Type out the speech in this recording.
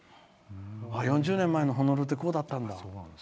４０年前のホノルルってこうだったんだって。